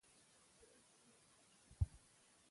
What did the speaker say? کريم ستونى را ډک شو.